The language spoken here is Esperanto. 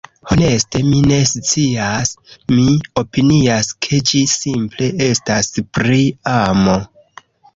Honeste mi ne scias. Mi opinias, ke ĝi simple estas pri amo.